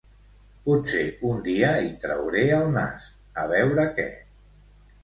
Potser un dia hi trauré el nas, a veure què.